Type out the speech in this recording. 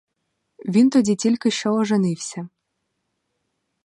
Він тоді тільки що оженився.